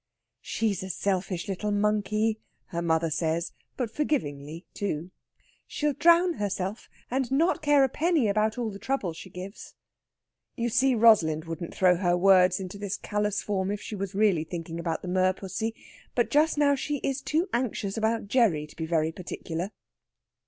"She's a selfish little monkey," her mother says, but forgivingly, too. "She'll drown herself, and not care a penny about all the trouble she gives." You see, Rosalind wouldn't throw her words into this callous form if she was really thinking about the merpussy. But just now she is too anxious about Gerry to be very particular.